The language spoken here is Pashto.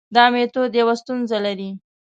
دا میتود یوه ستونزه لري.